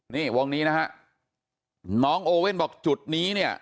นี่วงนี้นะฮะน้องโอเว่นบอกจุดนี้เนี่ย